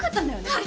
はい！